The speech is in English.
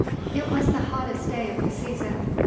It was the hottest day of the season.